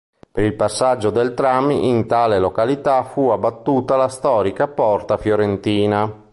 Per il passaggio del tram in tale località fu abbattuta la storica Porta Fiorentina.